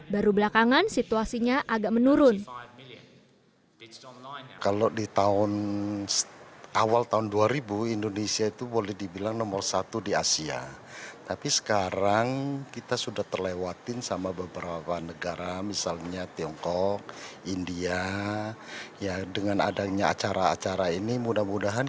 baru belakangan situasinya agak menurun